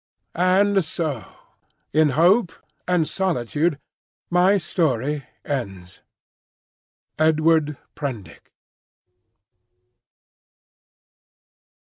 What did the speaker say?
And so, in hope and solitude, my story ends. EDWARD PRENDICK.